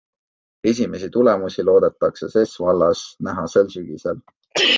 Esimesi tulemusi loodetakse ses vallas näha sel sügisel.